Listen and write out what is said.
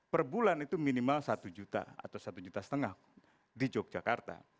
per bulan itu minimal satu juta atau satu juta setengah di yogyakarta